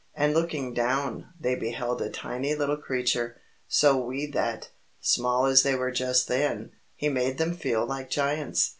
And looking down, they beheld a tiny little creature, so wee that, small as they were just then, he made them feel like giants.